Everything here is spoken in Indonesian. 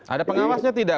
ada pengawasnya tidak